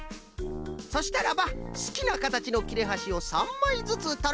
そしたらばすきなかたちのきれはしを３まいずつとるんじゃ。